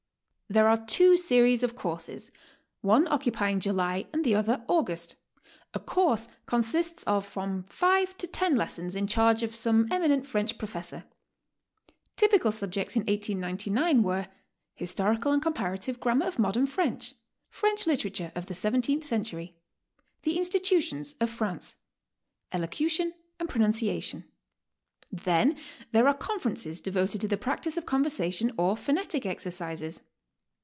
There are two series of courses, one occupying July and the other August. A course consists of from five to ten lessons in charge of some eminent French professor. Typical subjects in 1899 were — Historical and Comparative Gram mar of Modern French; French Literature of the 17th Cen tury; tfhe Institutions of France; Elocution and Pronuncia tion. Then there are conferences devoted to the practice of conversation or phonetic exercises.